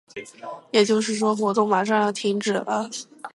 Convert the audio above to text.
也就是说，活动马上就要停止了。